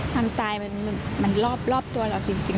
ความตายมันรอบตัวเราจริง